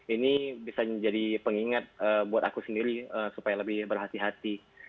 ini bisa menjadi pengingat buat aku sendiri supaya lebih berhati hati